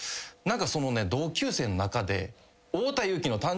その同級生の中で。